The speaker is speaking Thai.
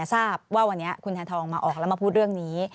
ทราบว่าวันนี้คุณแทนทองมาออกแล้วมาพูดเรื่องนี้